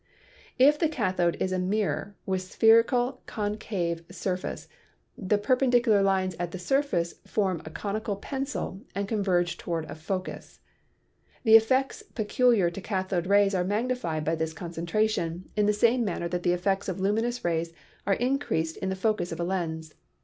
If the cathode is a mirror with spherical concave surface AN ANALYSIS OF MATTER 17 the perpendicular lines at the surface form 3 conic pencil and converge toward a focus. The effects peculiar to cathode rays are magnified by this concentration, in the same manner that the effects of luminous rays are in creased in the focus of a lens.